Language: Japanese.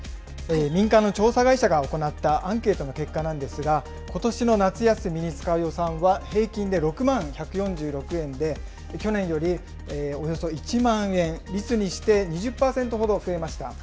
民間の調査会社が行ったアンケートの結果なんですが、ことしの夏休みに使う予算は、平均で６万１４６円で、去年よりおよそ１万円、率にして２０％ほど増えました。